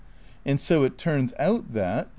'' And so it turns out that "...